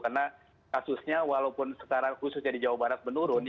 karena kasusnya walaupun setara khususnya di jawa barat menurun